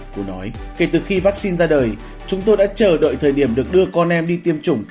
cô nói kể từ khi vaccine ra đời chúng tôi đã chờ đợi thời điểm được đưa con em đi tiêm chủng